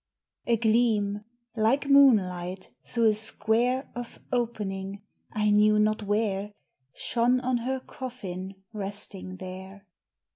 A gleam, like moonlight, through a square Of opening I knew not where Shone on her coffin resting there.